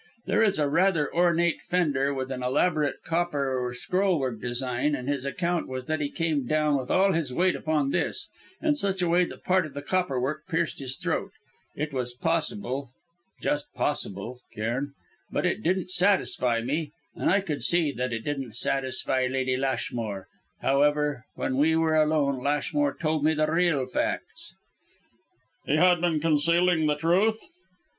There is a rather ornate fender, with an elaborate copper scrollwork design, and his account was that he came down with all his weight upon this, in such a way that part of the copperwork pierced his throat. It was possible, just possible, Cairn; but it didn't satisfy me and I could see that it didn't satisfy Lady Lashmore. However, when we were alone, Lashmore told me the real facts." "He had been concealing the truth?"